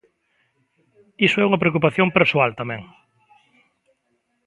Iso é unha preocupación persoal tamén.